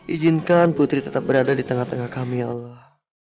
ijinkan putri tetap berada di tengah tengah kami allah